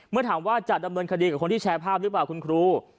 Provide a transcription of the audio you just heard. เมื่อถามว่าจะดำเนินคดีกับคนที่แชร์ภาพหรือเปล่าคุณครู